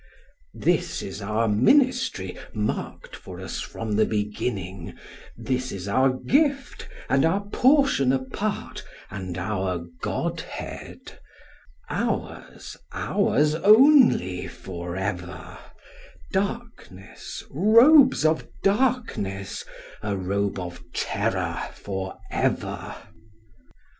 This is our ministry marked for us from the beginning; This is our gift, and our portion apart, and our godhead, Ours, ours only for ever, Darkness, robes of darkness, a robe of terror for ever!